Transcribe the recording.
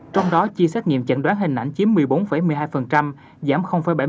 trong đó chi xét nghiệm chẩn đoán hình ảnh chiếm một mươi bốn một mươi hai giảm bảy mươi tám